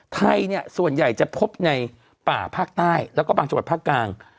ไทยเนี่ยส่วนใหญ่จะพบในป่าภาคใต้แล้วก็บางจังหวัดภาคกลาง